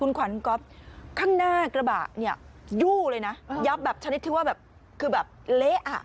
คุณขวัญก๊อฟข้างหน้ากระบะเนี่ยยู่เลยนะยับแบบชนิดที่ว่าแบบคือแบบเละอ่ะ